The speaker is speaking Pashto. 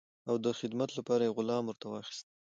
او د خدمت لپاره یې غلام ورته واخیست.